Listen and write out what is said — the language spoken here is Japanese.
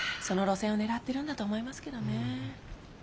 その路線を狙ってるんだと思いますけどね。